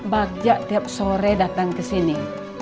bajak tiap sore datang ke sini